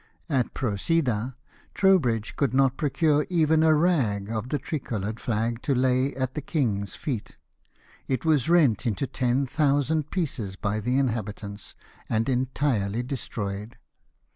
At Procida Trowbridge could not procure even a rag of the tri coloured flag to lay at the king's feet — it was rent into ten thousand pieces by the inhabitants, and entirely destroyed.